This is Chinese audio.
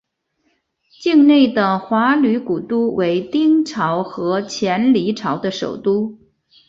境内的华闾古都为丁朝和前黎朝的首都。